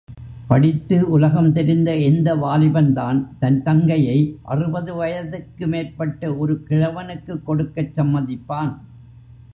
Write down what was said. படித்து உலகம் தெரிந்த எந்த வாலிபன்தான் தன் தங்கையை அறுபது வயதுக்கு மேற்பட்ட ஒரு கிழவனுக்குக் கொடுக்கச் சம்மதிப்பான்?